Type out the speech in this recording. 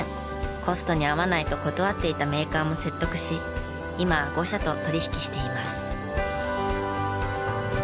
コストに合わないと断っていたメーカーも説得し今は５社と取引しています。